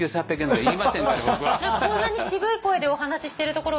こんなに渋い声でお話ししてるところ